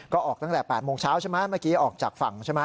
ก็ออกตั้งแต่๘โมงเช้าใช่ไหมเมื่อกี้ออกจากฝั่งใช่ไหม